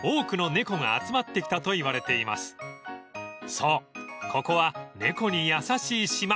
［そうここは猫に優しい島］